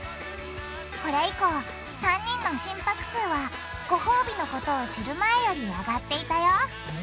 これ以降３人の心拍数はごほうびのことを知る前より上がっていたよ